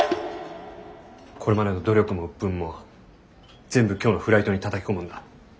これまでの努力も鬱憤も全部今日のフライトにたたき込むんだ。